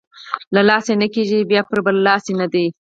له لاسه یې نه کېږي یا پرې برلاسۍ نه دی.